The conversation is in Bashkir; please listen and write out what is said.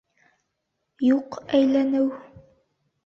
Юҡ әйләнеү!